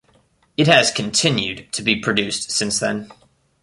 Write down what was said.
It has continued to be produced since then.